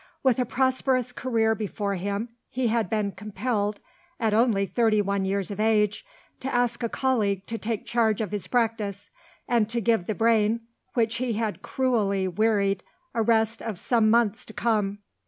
With a prosperous career before him, he had been compelled (at only thirty one years of age) to ask a colleague to take charge of his practice, and to give the brain which he had cruelly wearied a rest of some months to come.